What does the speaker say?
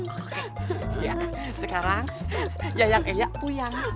oke ya sekarang yayak ayak puyang